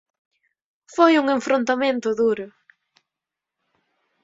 Foi un enfrontamento duro.